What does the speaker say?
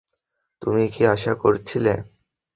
তুমি কী আশা করছিলে?